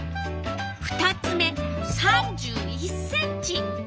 ２つ目３１ｃｍ。